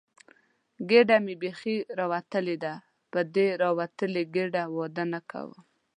ګېډه مې بیخي راوتلې ده، په دې راوتلې ګېډې واده نه کوم.